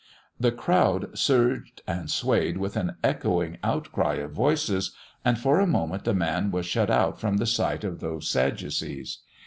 The crowd surged and swayed with an echoing outcry of voices, and for a moment the man was shut out from the sight of those sadducees.